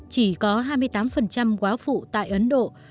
chỉ có hai mươi tám quá phụ tại ấn độ